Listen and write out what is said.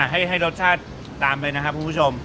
ให้รสชาติตามไปนะครับคุณผู้ชม